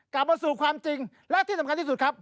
กลับมาสู่ความจริงและที่สำคัญที่สุดครับ